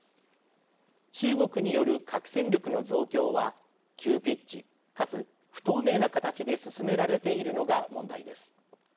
中国による核戦力の増強は急ピッチ、かつ不透明な形で進められているのが問題です。